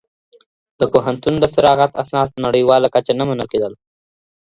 د پوهنتون د فراغت اسناد په نړیواله کچه نه منل کيدل.